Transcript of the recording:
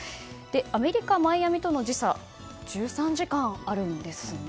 アメリカ・マイアミとの時差は１３時間あるんですね。